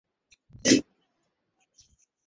মন ভালো নেই?